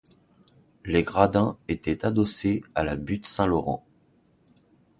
Les gradins étaient adossés à la butte Saint-Laurent.